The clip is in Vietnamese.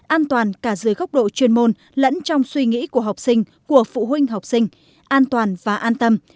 an toàn cả dưới góc độ chuyên môn lẫn trong suy nghĩ của học sinh của phụ huynh học sinh an toàn và an tâm